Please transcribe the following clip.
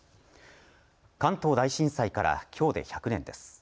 関東大震災からきょうで１００年です。